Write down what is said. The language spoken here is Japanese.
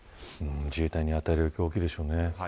自衛隊に与える影響は大きいでしょうね。